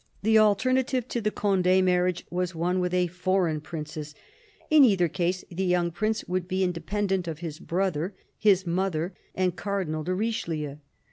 The alternative to the Conde marriage was one with a foreign princess ; in either case the young prince would be inde pendent of his brother, his mother and Cardinal de Richelieu.